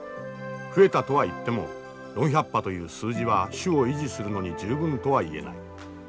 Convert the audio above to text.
増えたとは言っても４００羽という数字は種を維持するのに十分とは言えない。